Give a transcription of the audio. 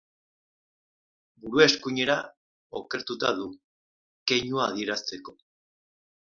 Burua eskuinera okertuta du, keinua adierazteko.